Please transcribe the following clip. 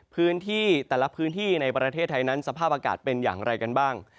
พื้นที่แต่ละพื้นที่ในประเทศไทยนั้นสภาพอากาศเป็นอย่างไรกันบ้าง